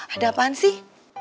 ada apaan sih